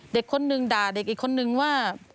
เด็กคนนึงด่าเด็กอีกคนนึงว่า